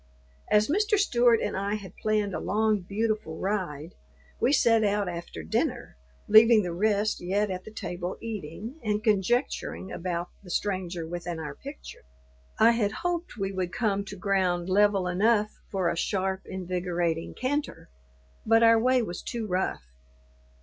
As Mr. Stewart and I had planned a long, beautiful ride, we set out after dinner, leaving the rest yet at the table eating and conjecturing about the "stranger within our picture." I had hoped we would come to ground level enough for a sharp, invigorating canter, but our way was too rough.